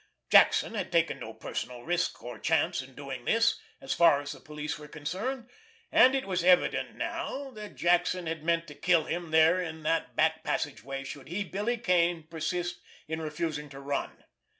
Jackson had taken no personal risk or chance in doing this, as far as the police were concerned; and it was evident now that Jackson had meant to kill him there in that back passageway should he, Billy Kane, persist in refusing to run.